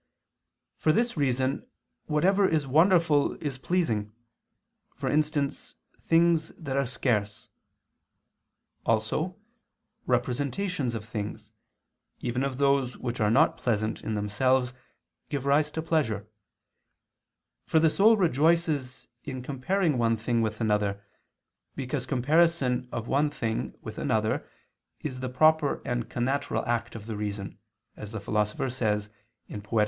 For this reason whatever is wonderful is pleasing, for instance things that are scarce. Also, representations of things, even of those which are not pleasant in themselves, give rise to pleasure; for the soul rejoices in comparing one thing with another, because comparison of one thing with another is the proper and connatural act of the reason, as the Philosopher says (Poet.